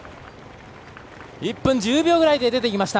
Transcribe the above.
１分１０秒ぐらいで出ていきました。